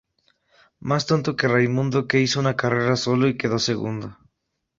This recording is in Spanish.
Más tonto que Raimundo que hizo una carrera solo y quedó segundo